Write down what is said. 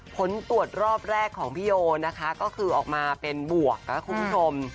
ผลตรวจรอบแรกของพี่โยนะคะก็คือออกมาเป็นบวกนะคุณผู้ชม